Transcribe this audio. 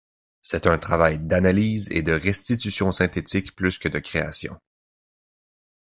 C'est un travail d'analyse et de restitution synthétique plus que de création.